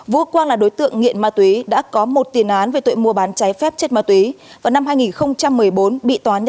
vũ quang là đối tượng nghiện ma túy đã có một tiền án về tội mua bán trái phép chất ma túy vào năm hai nghìn một mươi bốn bị tòa nhân dân tp phúc yên xử phạt bốn năm tù giả